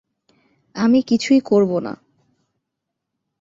আমি কিছুই করব না।